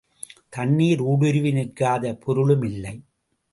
தண்ணீர் ஊடுருவி நிற்காத பொருளுமில்லை.